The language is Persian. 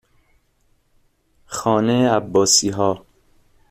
خانه عباسیها